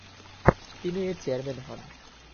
তিনি এর চেয়ারম্যান হন।